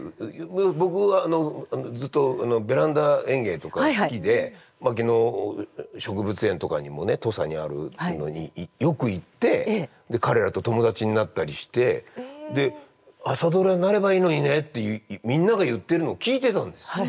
僕はずっとベランダ園芸とか好きで牧野植物園とかにもね土佐にあるのによく行って彼らと友達になったりしてで「朝ドラ」になればいいのにねってみんなが言ってるのを聞いてたんです。